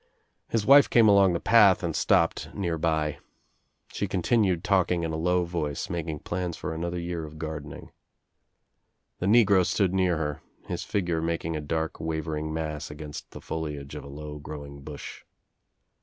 His wife came along the path and stopped nearby. She continued talking in a low voice, making plans for another year of gardening. The negro stood near her, his figure making a dark wavering mass against the foliage of a low growing bush.